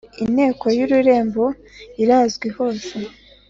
Inteko y Ururembo irazwi hose